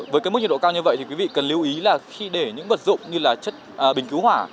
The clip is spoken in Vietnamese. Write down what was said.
với cái mức nhiệt độ cao như vậy thì quý vị cần lưu ý là khi để những vật dụng như là chất bình cứu hỏa